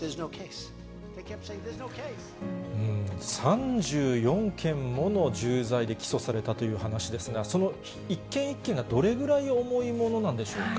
３４件もの重罪で起訴されたという話ですが、その一件一件がどれぐらい重いものなんでしょうか。